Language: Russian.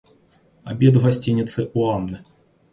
Обед в гостинице у Анны.